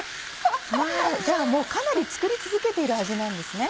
じゃあもうかなり作り続けている味なんですね。